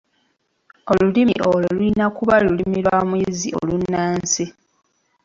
Olulimi olwo lulina kuba Lulimi lwa muyizi olunnansi.